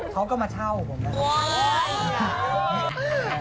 เขาก็มาเช่าของผมสิครับ